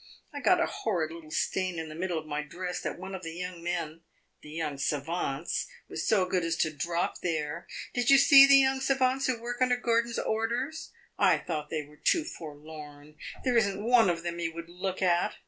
I got a horrid little stain in the middle of my dress that one of the young men the young savants was so good as to drop there. Did you see the young savants who work under Gordon's orders? I thought they were too forlorn; there is n't one of them you would look at.